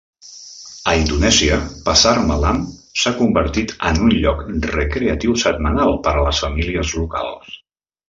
A Indonèsia, pasar malam s'ha convertit en un lloc recreatiu setmanal per a les famílies locals.